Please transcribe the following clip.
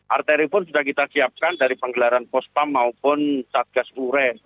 arteri pun sudah kita siapkan dari penggelaran postam maupun satgas ure